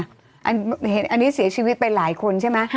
อันนี้เสียชีวิตไปหลายคนใช่ไหม